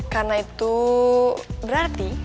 karena itu berarti